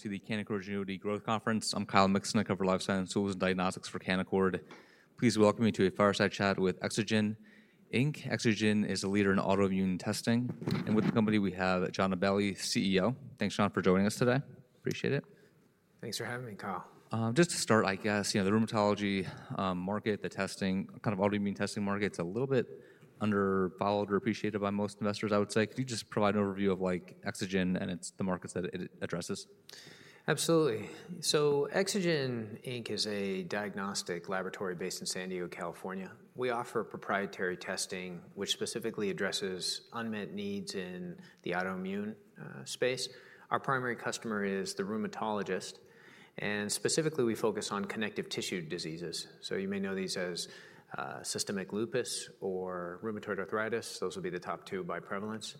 Welcome to the Canaccord Genuity Growth Conference. I'm Kyle Mikson, cover life science tools and diagnostics for Canaccord. Please welcome me to a fireside chat with Exagen Inc. Exagen is a leader in autoimmune testing, and with the company, we have John Aballi, CEO. Thanks, John, for joining us today. Appreciate it. Thanks for having me, Kyle. Just to start, I guess, you know, the rheumatology market, the testing, kind of autoimmune testing market's a little bit underfollowed or appreciated by most investors, I would say. Could you just provide an overview of, like, Exagen and its, the markets that it addresses? Absolutely. So Exagen Inc. is a diagnostic laboratory based in San Diego, California. We offer proprietary testing, which specifically addresses unmet needs in the autoimmune space. Our primary customer is the rheumatologist, and specifically, we focus on connective tissue diseases. So you may know these as systemic lupus or rheumatoid arthritis. Those would be the top two by prevalence.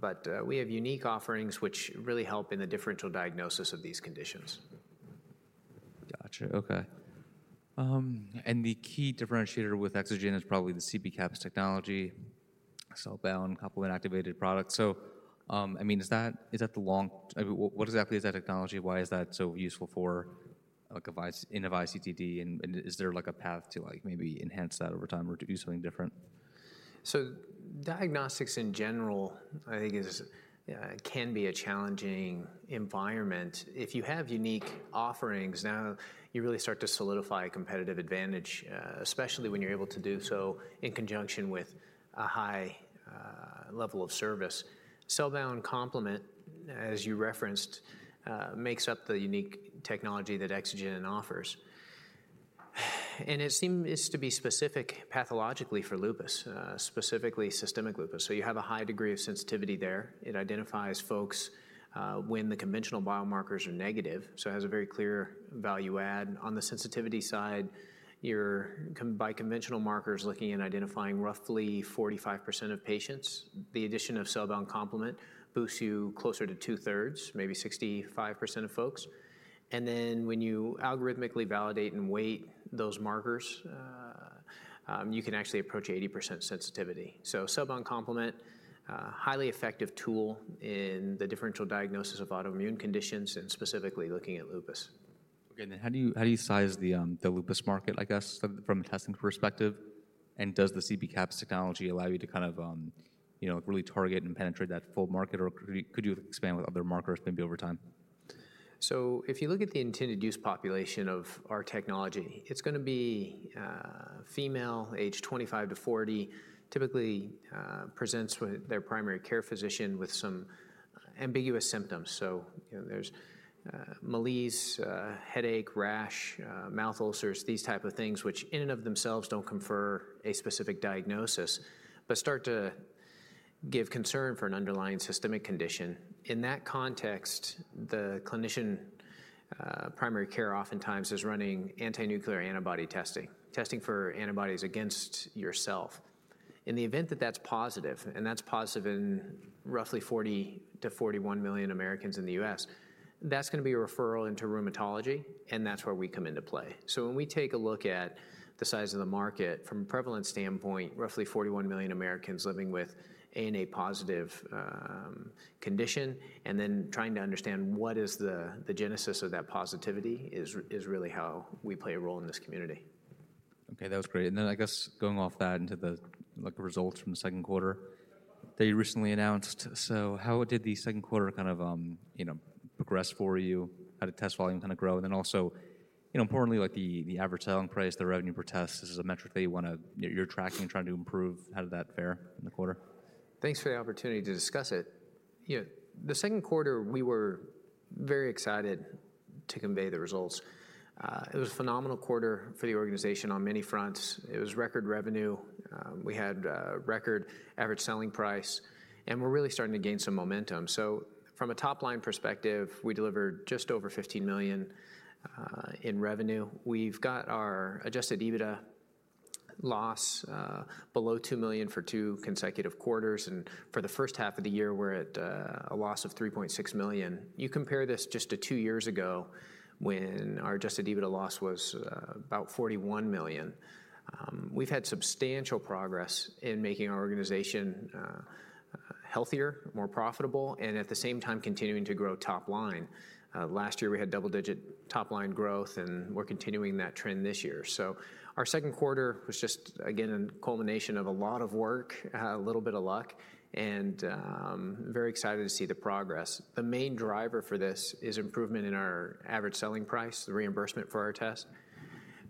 But we have unique offerings, which really help in the differential diagnosis of these conditions. Gotcha. Okay. And the key differentiator with Exagen is probably the CB-CAPs technology, cell-bound complement activation products. So, I mean, is that, what exactly is that technology? Why is that so useful for, like, AVISE CTD, and is there, like, a path to, like, maybe enhance that over time or to do something different? So diagnostics in general, I think is, can be a challenging environment. If you have unique offerings, now you really start to solidify a competitive advantage, especially when you're able to do so in conjunction with a high, level of service. Cell-bound complement, as you referenced, makes up the unique technology that Exagen offers. And it seems to be specific pathologically for lupus, specifically systemic lupus. So you have a high degree of sensitivity there. It identifies folks, when the conventional biomarkers are negative, so it has a very clear value add. On the sensitivity side, you're by conventional markers, looking at identifying roughly 45% of patients. The addition of cell-bound complement boosts you closer to two-thirds, maybe 65% of folks, and then when you algorithmically validate and weight those markers, you can actually approach 80% sensitivity. So cell-bound complement, a highly effective tool in the differential diagnosis of autoimmune conditions, and specifically looking at lupus. Okay. And then how do you size the lupus market, I guess, from a testing perspective? And does the CB-CAPs technology allow you to kind of, you know, really target and penetrate that full market or could you expand with other markers maybe over time? So if you look at the intended use population of our technology, it's gonna be, female, age 25-40, typically, presents with their primary care physician with some ambiguous symptoms. So, you know, there's, malaise, headache, rash, mouth ulcers, these type of things, which in and of themselves don't confer a specific diagnosis, but start to give concern for an underlying systemic condition. In that context, the clinician, primary care oftentimes is running antinuclear antibody testing, testing for antibodies against yourself. In the event that that's positive, and that's positive in roughly 40-41 million Americans in the US, that's gonna be a referral into rheumatology, and that's where we come into play. So when we take a look at the size of the market from a prevalence standpoint, roughly 41 million Americans living with ANA positive condition, and then trying to understand what is the genesis of that positivity is really how we play a role in this community. Okay, that was great. And then I guess going off that into the, like, results from the second quarter that you recently announced. So how did the second quarter kind of, you know, progress for you? How did test volume kind of grow? And then also, you know, importantly, like the, the average selling price, the revenue per test, this is a metric that you wanna... You're tracking and trying to improve. How did that fare in the quarter? Thanks for the opportunity to discuss it. You know, the second quarter, we were very excited to convey the results. It was a phenomenal quarter for the organization on many fronts. It was record revenue, we had, record average selling price, and we're really starting to gain some momentum. So from a top-line perspective, we delivered just over $15 million in revenue. We've got our Adjusted EBITDA loss below $2 million for two consecutive quarters, and for the first half of the year, we're at a loss of $3.6 million. You compare this just to two years ago when our Adjusted EBITDA loss was about $41 million. We've had substantial progress in making our organization healthier, more profitable, and at the same time, continuing to grow top line. Last year, we had double-digit top-line growth, and we're continuing that trend this year. So our second quarter was just, again, a culmination of a lot of work, a little bit of luck, and very excited to see the progress. The main driver for this is improvement in our average selling price, the reimbursement for our test.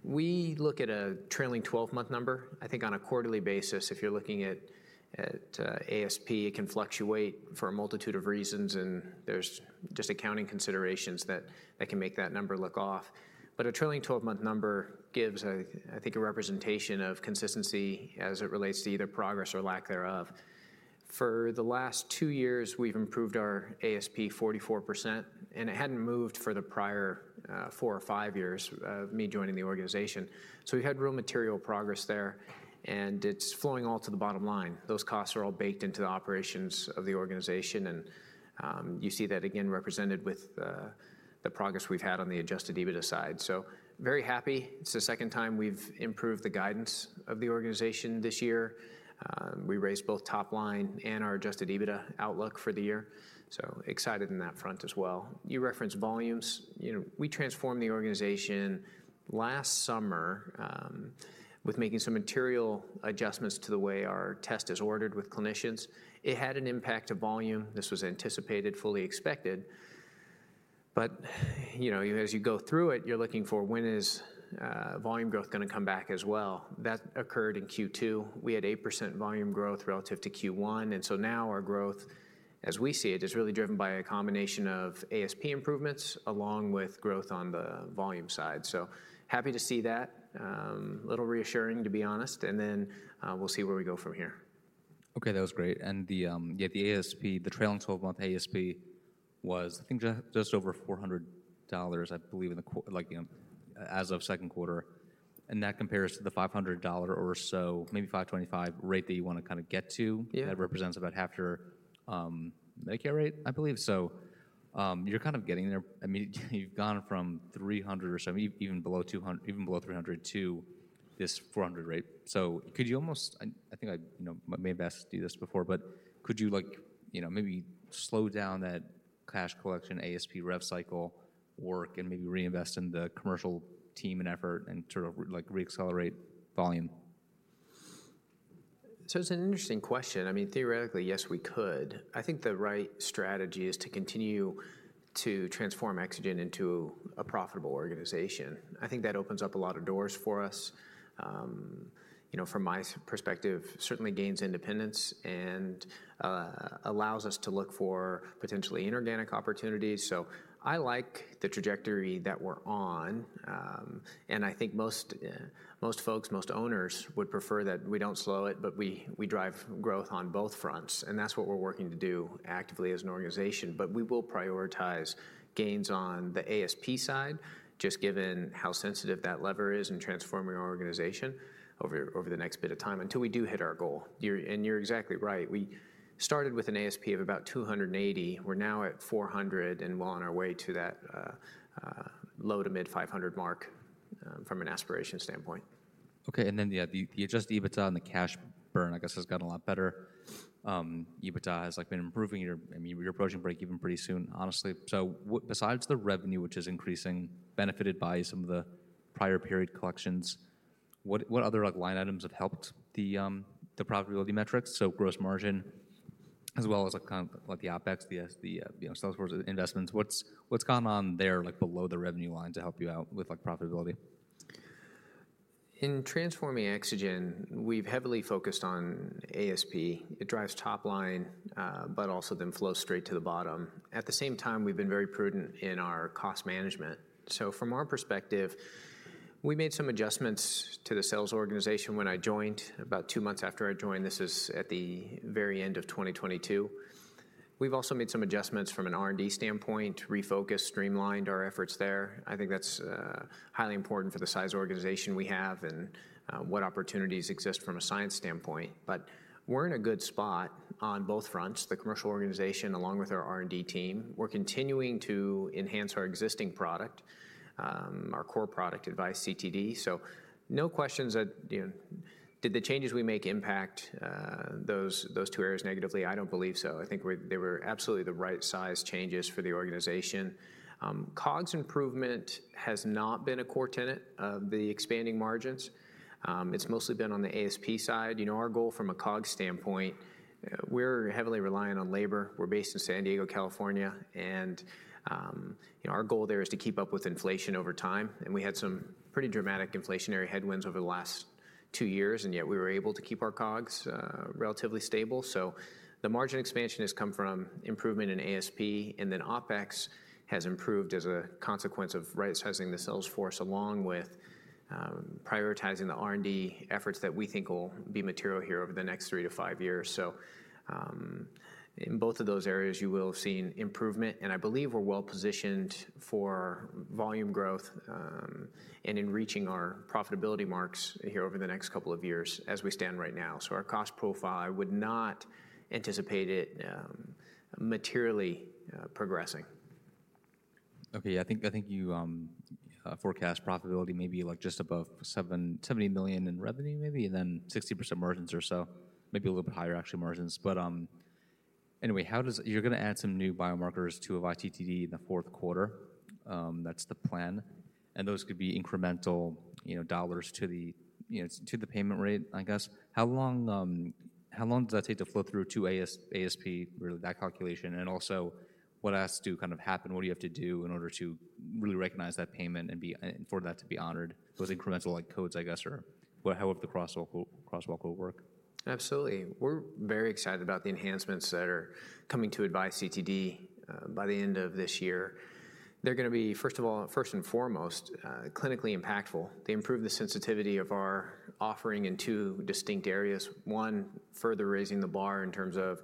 We look at a trailing twelve-month number. I think on a quarterly basis, if you're looking at ASP, it can fluctuate for a multitude of reasons, and there's just accounting considerations that can make that number look off. But a trailing twelve-month number gives, I think, a representation of consistency as it relates to either progress or lack thereof. For the last two years, we've improved our ASP 44%, and it hadn't moved for the prior four or five years of me joining the organization. So we've had real material progress there, and it's flowing all to the bottom line. Those costs are all baked into the operations of the organization, and you see that again represented with the progress we've had on the Adjusted EBITDA side. So very happy. It's the second time we've improved the guidance of the organization this year. We raised both top line and our Adjusted EBITDA outlook for the year, so excited on that front as well. You referenced volumes. You know, we transformed the organization last summer with making some material adjustments to the way our test is ordered with clinicians. It had an impact to volume. This was anticipated, fully expected, but, you know, as you go through it, you're looking for when is volume growth gonna come back as well? That occurred in Q2. We had 8% volume growth relative to Q1, and so now our growth, as we see it, is really driven by a combination of ASP improvements along with growth on the volume side. So happy to see that. A little reassuring, to be honest, and then, we'll see where we go from here. Okay, that was great. And the ASP, the trailing twelve-month ASP was, I think, just over $400, I believe, as of second quarter, and that compares to the $500 or so, maybe $525 rate that you wanna kinda get to. Yeah. That represents about half your Medicare rate, I believe. So, you're kind of getting there. I mean, you've gone from $300 or so, even below $300 to this $400 rate. So could you almost... I think I, you know, may have asked you this before, but could you like, you know, maybe slow down that cash collection, ASP rev cycle work and maybe reinvest in the commercial team and effort and sort of, like, reaccelerate volume? So it's an interesting question. I mean, theoretically, yes, we could. I think the right strategy is to continue to transform Exagen into a profitable organization. I think that opens up a lot of doors for us. You know, from my perspective, certainly gains independence and allows us to look for potentially inorganic opportunities. So I like the trajectory that we're on, and I think most folks, most owners would prefer that we don't slow it, but we drive growth on both fronts, and that's what we're working to do actively as an organization. But we will prioritize gains on the ASP side, just given how sensitive that lever is in transforming our organization over the next bit of time, until we do hit our goal. And you're exactly right. We started with an ASP of about $280. We're now at $400, and we're on our way to that low-to-mid-500 mark, from an aspiration standpoint. Okay, and then, yeah, the Adjusted EBITDA and the cash burn, I guess, has gotten a lot better. EBITDA has, like, been improving. You're, I mean, you're approaching breakeven pretty soon, honestly. So what—besides the revenue, which is increasing, benefited by some of the prior period collections, what other, like, line items have helped the profitability metrics? So gross margin, as well as, like, kind of, like, the OpEx, the sales force investments. What's gone on there, like, below the revenue line to help you out with, like, profitability? In transforming Exagen, we've heavily focused on ASP. It drives top line, but also then flows straight to the bottom. At the same time, we've been very prudent in our cost management. So from our perspective, we made some adjustments to the sales organization when I joined, about two months after I joined. This is at the very end of 2022. We've also made some adjustments from an R&D standpoint, refocused, streamlined our efforts there. I think that's highly important for the size organization we have and what opportunities exist from a science standpoint. But we're in a good spot on both fronts, the commercial organization, along with our R&D team. We're continuing to enhance our existing product, our core product, AVISE CTD. So no questions that, you know... Did the changes we make impact those two areas negatively? I don't believe so. I think they were absolutely the right size changes for the organization. COGS improvement has not been a core tenet of the expanding margins. It's mostly been on the ASP side. You know, our goal from a COGS standpoint, we're heavily reliant on labor. We're based in San Diego, California, and, you know, our goal there is to keep up with inflation over time, and we had some pretty dramatic inflationary headwinds over the last two years, and yet we were able to keep our COGS relatively stable. So the margin expansion has come from improvement in ASP, and then OpEx has improved as a consequence of right-sizing the sales force, along with prioritizing the R&D efforts that we think will be material here over the next three to five years. So, in both of those areas, you will have seen improvement, and I believe we're well-positioned for volume growth and in reaching our profitability marks here over the next couple of years as we stand right now. So our cost profile, I would not anticipate it materially progressing. Okay, I think, I think you forecast profitability maybe, like, just above $70 million in revenue maybe, and then 60% margins or so, maybe a little bit higher actual margins. But anyway, how does-- You're gonna add some new biomarkers to AVISE CTD in the fourth quarter. That's the plan, and those could be incremental, you know, dollars to the, you know, to the payment rate, I guess. How long does that take to flow through to ASP, really, that calculation? And also, what has to kind of happen, what do you have to do in order to really recognize that payment and be, and for that to be honored with incremental, like, codes, I guess? Or how will the crosswalk work? Absolutely. We're very excited about the enhancements that are coming to AVISE CTD by the end of this year. They're gonna be, first of all, first and foremost, clinically impactful. They improve the sensitivity of our offering in two distinct areas. One, further raising the bar in terms of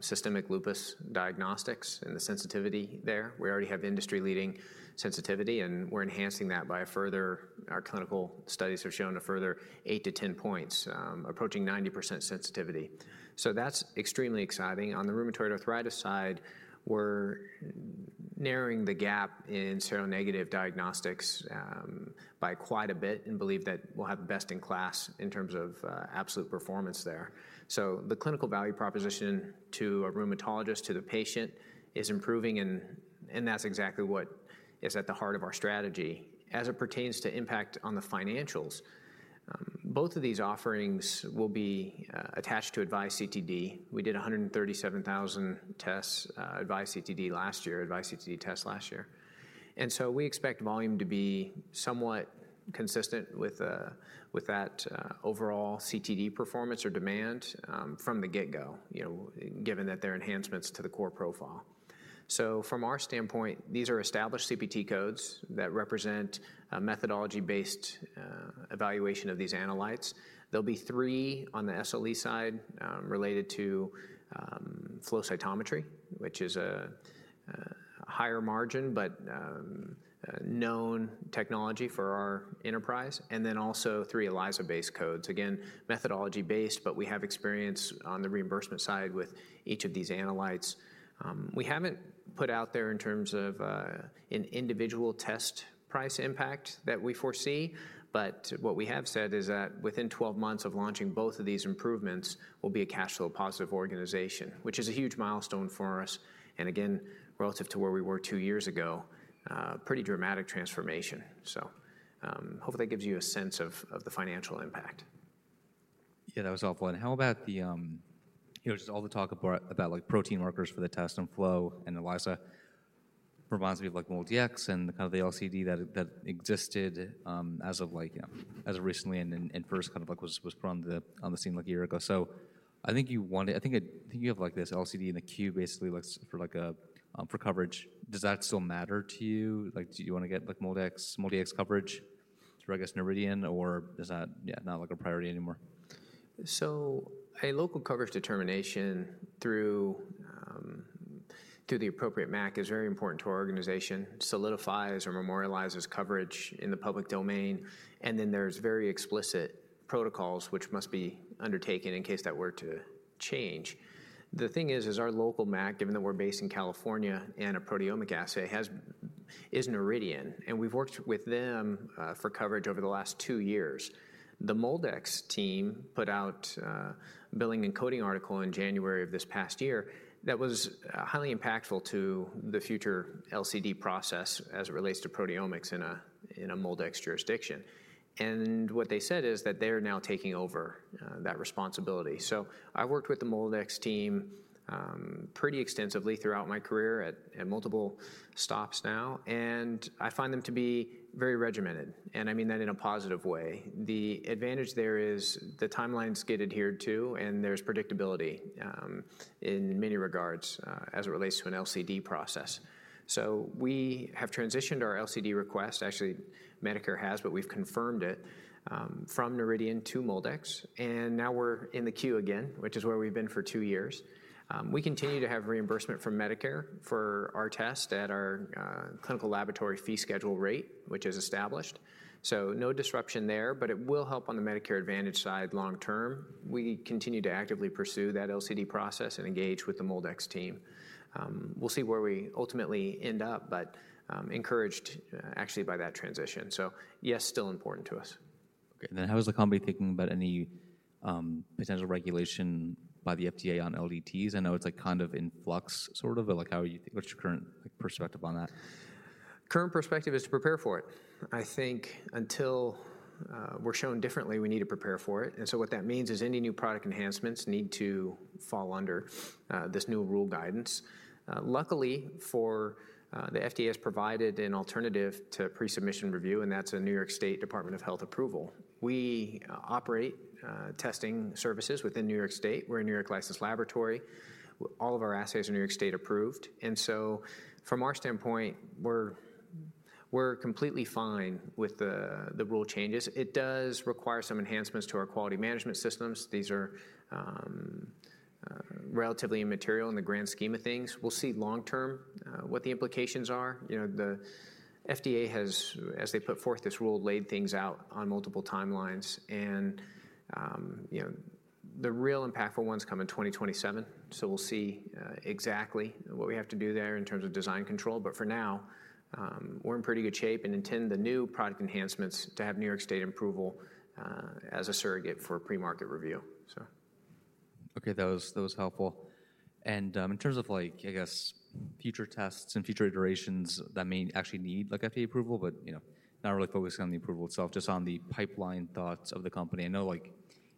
systemic lupus diagnostics and the sensitivity there. We already have industry-leading sensitivity, and we're enhancing that by a further, our clinical studies have shown a further 8-10 points, approaching 90% sensitivity. So that's extremely exciting. On the rheumatoid arthritis side, we're narrowing the gap in seronegative diagnostics by quite a bit, and believe that we'll have best in class in terms of absolute performance there. So the clinical value proposition to a rheumatologist, to the patient, is improving and that's exactly what is at the heart of our strategy. As it pertains to impact on the financials, both of these offerings will be attached to AVISE CTD. We did 137,000 tests, AVISE CTD last year, AVISE CTD tests last year. And so we expect volume to be somewhat consistent with that overall CTD performance or demand from the get-go, you know, given that they're enhancements to the core profile. So from our standpoint, these are established CPT codes that represent a methodology-based evaluation of these analytes. There'll be three on the SLE side related to flow cytometry, which is a higher margin but a known technology for our enterprise, and then also three ELISA-based codes. Again, methodology-based, but we have experience on the reimbursement side with each of these analytes. We haven't put out there in terms of an individual test price impact that we foresee, but what we have said is that within 12 months of launching both of these improvements, we'll be a cash flow positive organization, which is a huge milestone for us, and again, relative to where we were 2 years ago, pretty dramatic transformation. So, hopefully that gives you a sense of the financial impact. Yeah, that was helpful. And how about the... You know, just all the talk about like protein markers for the test and flow, and ELISA reminds me of like MolDX and the kind of the LCD that existed, as of like, yeah, as of recently and first kind of like was put on the scene like a year ago. So I think you wanted-- I think you have like this LCD in the queue, basically like for coverage. Does that still matter to you? Like, do you want to get like MolDX coverage through, I guess, Noridian, or is that, yeah, not like a priority anymore? So a local coverage determination through the appropriate MAC is very important to our organization. Solidifies or memorializes coverage in the public domain, and then there's very explicit protocols which must be undertaken in case that were to change. The thing is our local MAC, given that we're based in California and a proteomic assay, is Noridian, and we've worked with them for coverage over the last two years. The MolDX team put out a billing and coding article in January of this past year that was highly impactful to the future LCD process as it relates to proteomics in a MolDX jurisdiction. And what they said is that they are now taking over that responsibility. So I've worked with the MolDX team pretty extensively throughout my career at multiple stops now, and I find them to be very regimented, and I mean that in a positive way. The advantage there is the timelines get adhered to, and there's predictability in many regards as it relates to an LCD process. So we have transitioned our LCD request, actually, Medicare has, but we've confirmed it from Noridian to MolDX, and now we're in the queue again, which is where we've been for two years. We continue to have reimbursement from Medicare for our test at our Clinical Laboratory Fee Schedule rate, which is established. So no disruption there, but it will help on the Medicare Advantage side long term. We continue to actively pursue that LCD process and engage with the MolDX team. We'll see where we ultimately end up, but encouraged, actually by that transition. So yes, still important to us. Okay, and then how is the company thinking about any, potential regulation by the FDA on LDTs? I know it's, like, kind of in flux, sort of, but, like, how are you... What's your current, like, perspective on that? Current perspective is to prepare for it. I think until we're shown differently, we need to prepare for it. And so what that means is any new product enhancements need to fall under this new rule guidance. Luckily, the FDA has provided an alternative to pre-submission review, and that's a New York State Department of Health approval. We operate testing services within New York State. We're a New York licensed laboratory. All of our assays are New York State approved, and so from our standpoint, we're completely fine with the rule changes. It does require some enhancements to our quality management systems. These are relatively immaterial in the grand scheme of things. We'll see long term what the implications are. You know, the FDA has, as they put forth this rule, laid things out on multiple timelines and, you know, the real impactful ones come in 2027, so we'll see exactly what we have to do there in terms of design control. But for now, we're in pretty good shape and intend the new product enhancements to have New York State approval as a surrogate for pre-market review, so. Okay, that was helpful. In terms of like, I guess, future tests and future iterations that may actually need, like, FDA approval, but, you know, not really focused on the approval itself, just on the pipeline thoughts of the company. I know, like,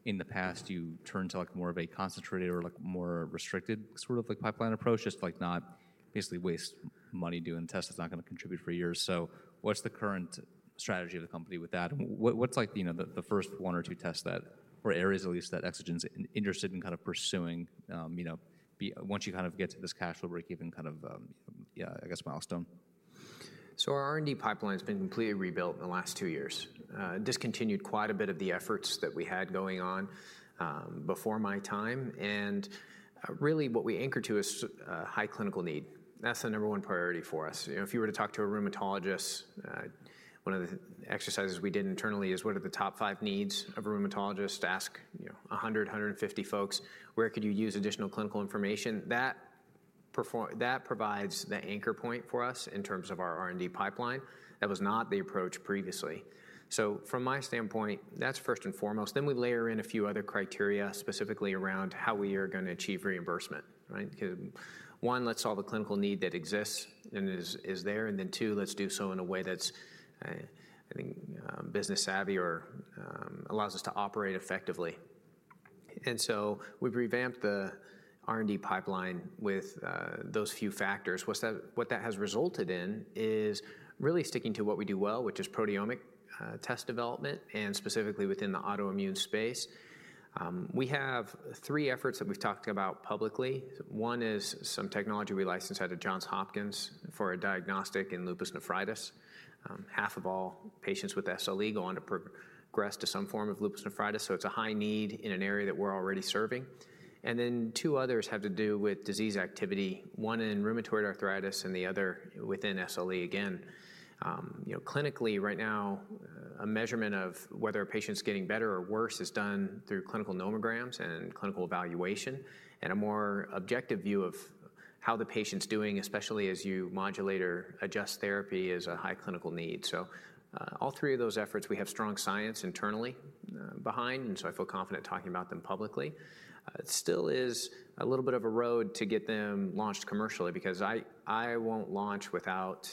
in the past, you turned to, like, more of a concentrated or, like, more restricted sort of, like, pipeline approach, just, like, not basically waste money doing tests that's not going to contribute for years. So what's the current strategy of the company with that, and what's like, you know, the first one or two tests that, or areas at least, that Exagen is interested in kind of pursuing, you know, once you kind of get to this cash flow break-even kind of, yeah, I guess, milestone?... So our R&D pipeline has been completely rebuilt in the last two years. Discontinued quite a bit of the efforts that we had going on before my time, and really what we anchor to is high clinical need. That's the number one priority for us. You know, if you were to talk to a rheumatologist, one of the exercises we did internally is, what are the top five needs of a rheumatologist? Ask, you know, 100-150 folks, "Where could you use additional clinical information?" That provides the anchor point for us in terms of our R&D pipeline. That was not the approach previously. So from my standpoint, that's first and foremost. Then we layer in a few other criteria, specifically around how we are going to achieve reimbursement, right? Because, one, let's solve a clinical need that exists and is there, and then, two, let's do so in a way that's, I think, business savvy or allows us to operate effectively. And so we've revamped the R&D pipeline with those few factors. What that has resulted in is really sticking to what we do well, which is proteomic test development, and specifically within the autoimmune space. We have three efforts that we've talked about publicly. One is some technology we licensed out of Johns Hopkins for a diagnostic in lupus nephritis. Half of all patients with SLE go on to progress to some form of lupus nephritis, so it's a high need in an area that we're already serving. And then two others have to do with disease activity, one in rheumatoid arthritis and the other within SLE again. You know, clinically, right now, a measurement of whether a patient's getting better or worse is done through clinical nomograms and clinical evaluation, and a more objective view of how the patient's doing, especially as you modulate or adjust therapy, is a high clinical need. So, all three of those efforts, we have strong science internally behind, and so I feel confident talking about them publicly. It still is a little bit of a road to get them launched commercially because I, I won't launch without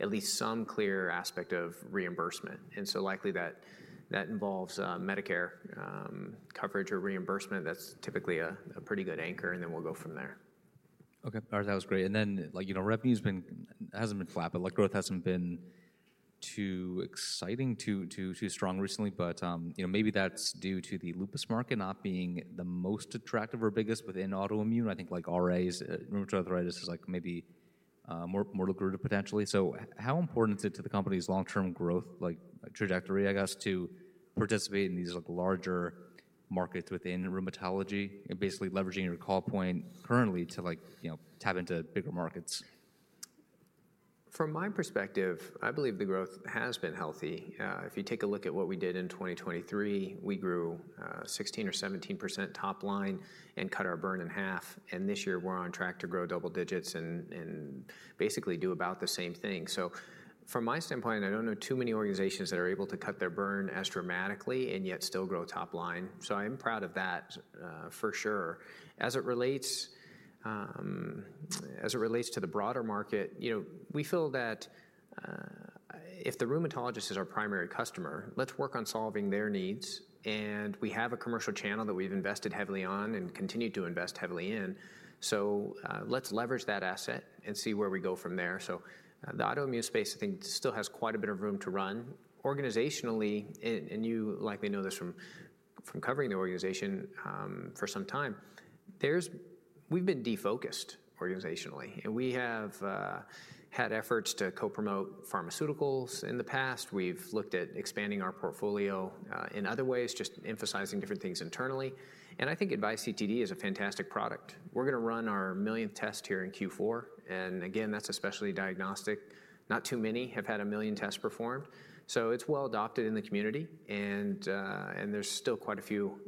at least some clear aspect of reimbursement, and so likely that, that involves Medicare coverage or reimbursement. That's typically a pretty good anchor, and then we'll go from there. Okay, all right, that was great. And then, like, you know, revenue's been—hasn't been flat, but, like, growth hasn't been too exciting, too strong recently. But, you know, maybe that's due to the lupus market not being the most attractive or biggest within autoimmune. I think, like RA, rheumatoid arthritis is, like, maybe more lucrative potentially. So how important is it to the company's long-term growth, like, trajectory, I guess, to participate in these, like, larger markets within rheumatology and basically leveraging your call point currently to, like, you know, tap into bigger markets? From my perspective, I believe the growth has been healthy. If you take a look at what we did in 2023, we grew 16%-17% top line and cut our burn in half, and this year we're on track to grow double digits and basically do about the same thing. So from my standpoint, I don't know too many organizations that are able to cut their burn as dramatically and yet still grow top line, so I'm proud of that, for sure. As it relates to the broader market, you know, we feel that if the rheumatologist is our primary customer, let's work on solving their needs, and we have a commercial channel that we've invested heavily on and continue to invest heavily in. So, let's leverage that asset and see where we go from there. So the autoimmune space, I think, still has quite a bit of room to run. Organizationally, and you likely know this from covering the organization for some time, there's we've been defocused organizationally, and we have had efforts to co-promote pharmaceuticals in the past. We've looked at expanding our portfolio in other ways, just emphasizing different things internally. And I think AVISE CTD is a fantastic product. We're gonna run our millionth test here in Q4, and again, that's a specialty diagnostic. Not too many have had a million tests performed, so it's well adopted in the community and there's still quite a few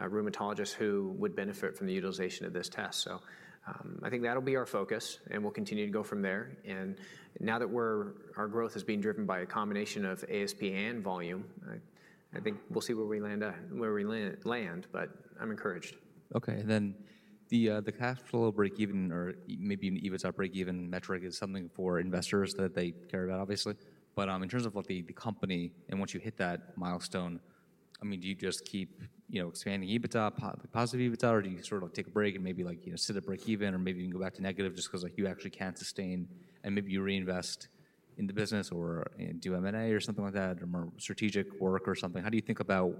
rheumatologists who would benefit from the utilization of this test. So, I think that'll be our focus, and we'll continue to go from there. Our growth is being driven by a combination of ASP and volume. I think we'll see where we land, but I'm encouraged. Okay. And then the cash flow break even or maybe an EBITDA break-even metric is something for investors that they care about, obviously. But in terms of what the company, and once you hit that milestone, I mean, do you just keep, you know, expanding EBITDA, positive EBITDA, or do you sort of, like, take a break and maybe, like, you know, sit at break even, or maybe even go back to negative just 'cause, like, you actually can't sustain, and maybe you reinvest in the business or do M&A or something like that, or more strategic work or something? How do you think about,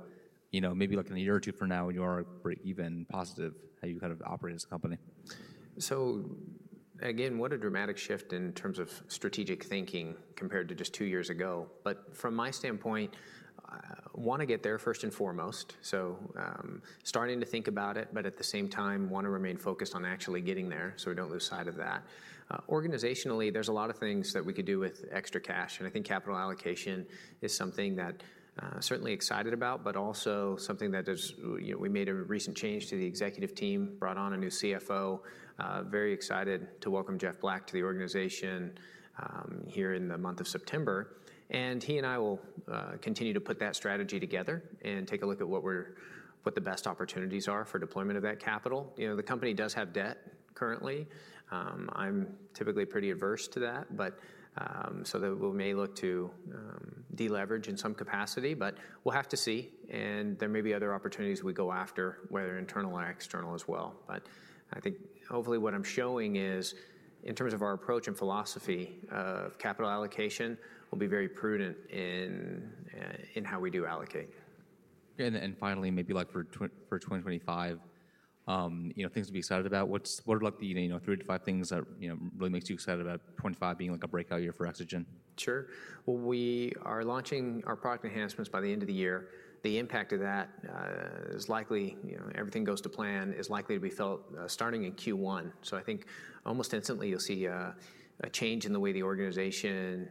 you know, maybe, like, in a year or two from now, when you are break even positive, how you kind of operate as a company? So again, what a dramatic shift in terms of strategic thinking compared to just two years ago. But from my standpoint, want to get there first and foremost. So, starting to think about it, but at the same time, want to remain focused on actually getting there, so we don't lose sight of that. Organizationally, there's a lot of things that we could do with extra cash, and I think capital allocation is something that certainly excited about, but also something that is... You know, we made a recent change to the executive team, brought on a new CFO. Very excited to welcome Jeff Black to the organization here in the month of September. And he and I will continue to put that strategy together and take a look at what the best opportunities are for deployment of that capital. You know, the company does have debt currently. I'm typically pretty averse to that, but so that we may look to de-leverage in some capacity, but we'll have to see. There may be other opportunities we go after, whether internal or external as well. I think hopefully what I'm showing is, in terms of our approach and philosophy of capital allocation, we'll be very prudent in how we do allocate. And then, finally, maybe, like, for 2025, you know, things to be excited about, what's, what are like the, you know, 3-5 things that, you know, really makes you excited about 2025 being, like, a breakout year for Exagen? Sure. Well, we are launching our product enhancements by the end of the year. The impact of that is likely, you know, everything goes to plan, is likely to be felt starting in Q1. So I think almost instantly you'll see a change in the way the organization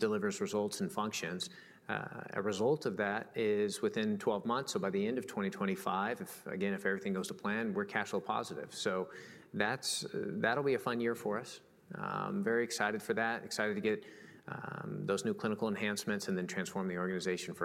delivers results and functions. A result of that is within 12 months, so by the end of 2025, if, again, if everything goes to plan, we're cash flow positive. So that's-- that'll be a fun year for us. I'm very excited for that, excited to get those new clinical enhancements and then transform the organization further.